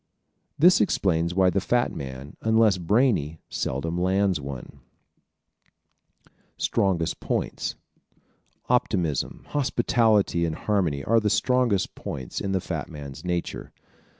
This explains why the fat man, unless brainy, seldom lands one. Strongest Points ¶ Optimism, hospitality and harmony are the strongest points in the fat man's nature.